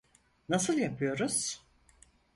Nasıl yapıyoruz?